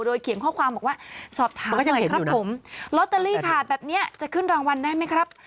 โดยเขียนข้อความบอกว่าสอบถามหน่อยครับผมแบบเนี้ยจะขึ้นรางวัลได้ไหมครับ